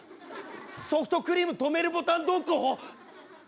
ソフトクリーム止めるボタンどこ？